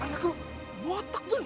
anaknya botak tuh